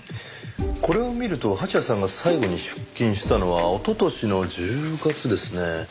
これを見ると蜂矢さんが最後に出勤したのは一昨年の１０月ですね。